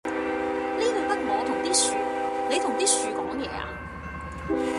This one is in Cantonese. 呢度得我同啲樹，你同啲樹講嘢呀？